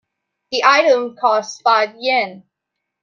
The item costs five Yen.